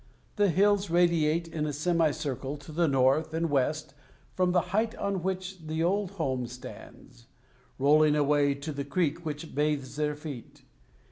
The hills radiate in a semicircle to the north and west from the height on which the old home stands, rolling away to the creek which bathes their feet.